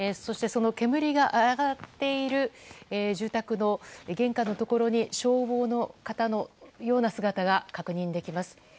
その煙が上がっている住宅の玄関のところに消防の方のような姿が確認できます。